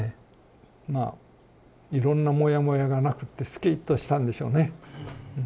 まあいろんなもやもやがなくてすきっとしたんでしょうね。